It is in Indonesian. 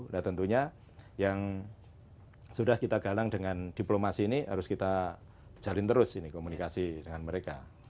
nah tentunya yang sudah kita galang dengan diplomasi ini harus kita jalin terus ini komunikasi dengan mereka